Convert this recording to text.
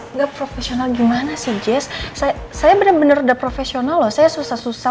enggak profesional gimana sih jazz saya bener bener udah profesional loh saya susah susah